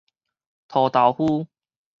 塗豆麩